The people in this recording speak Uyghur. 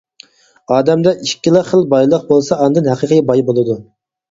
ئادەمدە ئىككىلا خىل بايلىق بولسا ئاندىن ھەقىقىي باي بولىدۇ.